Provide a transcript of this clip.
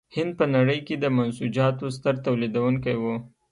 هند په نړۍ کې د منسوجاتو ستر تولیدوونکی و.